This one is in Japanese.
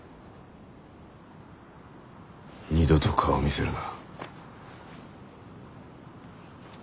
二度と顔を見せるな。